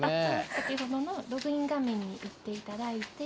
先ほどのログイン画面にいっていただいて。